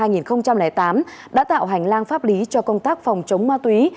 năm hai nghìn tám đã tạo hành lang pháp lý cho công tác phòng chống ma túy